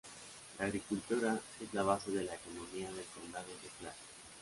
La agricultura es la base de la economía del condado de Clay.